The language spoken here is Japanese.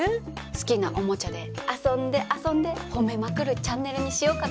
好きなおもちゃで遊んで遊んで褒めまくるチャンネルにしようかと。